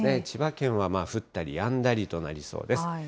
千葉県は降ったりやんだりとなりそうです。